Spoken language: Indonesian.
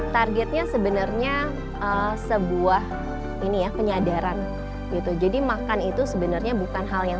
targetnya sebenarnya sebuah ini ya penyadaran gitu jadi makan itu sebenarnya bukan hal yang